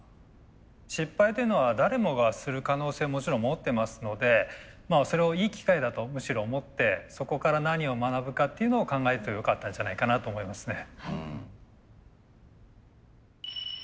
失敗というのは誰もがする可能性をもちろん持ってますのでそれをいい機会だとむしろ思ってそこから何を学ぶかっていうのを考えるとよかったんじゃないかなと思いますね。